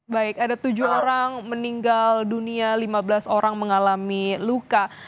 baik ada tujuh orang meninggal dunia lima belas orang mengalami luka